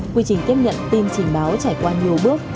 quy trình tiếp nhận tin trình báo trải qua nhiều bước